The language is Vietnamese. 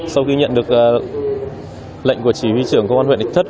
sau khi nhận được lệnh của chỉ huy trưởng công an huyện định thất